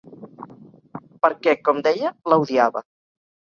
Perquè, com deia, la odiava.